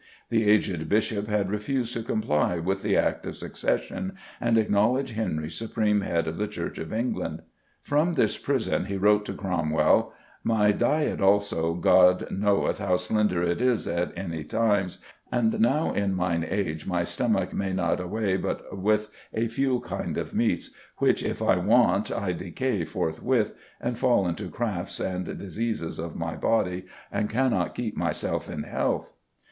The aged Bishop had refused to comply with the Act of Succession and acknowledge Henry supreme head of the Church of England. From this prison he wrote to Cromwell, "My dyett, also, God knoweth how slender it is at any tymes, and now in myn age my stomak may nott awaye but with a few kynd of meats, which if I want, I decay forthwith, and fall into crafs and diseases of my bodye, and kan not keep myself in health."